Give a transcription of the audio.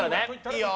いいよ！